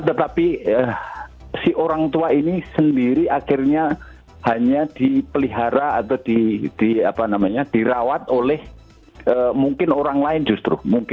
tetapi si orang tua ini sendiri akhirnya hanya dipelihara atau dirawat oleh mungkin orang lain justru